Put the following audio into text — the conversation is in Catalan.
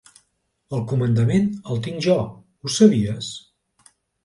El comandament el tinc jo, ho sabies?